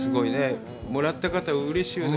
もらった方、うれしいよね。